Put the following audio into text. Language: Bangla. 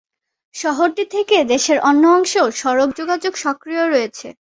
শহরটি থেকে দেশের অন্য অংশেও সড়ক যোগাযোগ সক্রিয় রয়েছে।